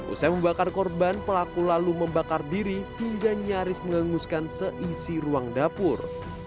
usai membakar korban pelaku lalu membakar diri hingga nyaris menghanguskan seisi ruang dapur